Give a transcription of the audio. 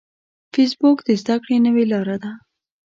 فېسبوک د زده کړې نوې لاره ده